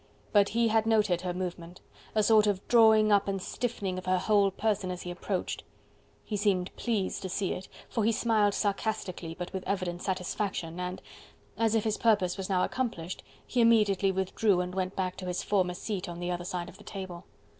But he had noted her movement a sort of drawing up and stiffening of her whole person as he approached. He seemed pleased to see it, for he smiled sarcastically but with evident satisfaction, and as if his purpose was now accomplished he immediately withdrew and went back to his former seat on the other side of the table.